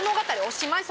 おしまい